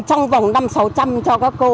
trong vòng năm sáu trăm cho các cô